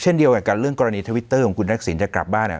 เช่นเดียวกับกันเรื่องกรณีทวิตเตอร์ของคุณทักษิณจะกลับบ้าน